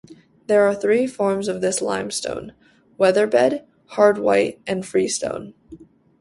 There are three forms of this limestone: weatherbed, hard white and freestone.